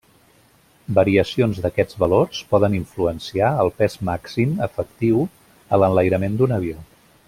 Variacions d'aquests valors poden influenciar el pes màxim efectiu a l'enlairament d'un avió.